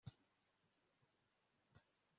Ibyo rwose birababaje